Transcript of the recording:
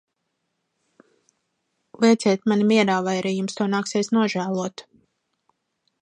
Lieciet mani mierā, vai arī jums to nāksies nožēlot!